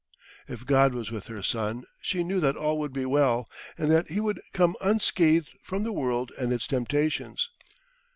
If God was with her son, she knew that all would be well, and that he would come unscathed from the world and its temptations.